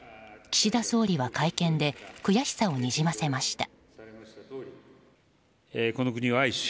岸田総理は会見で悔しさをにじませました。